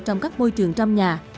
trong các môi trường trong nhà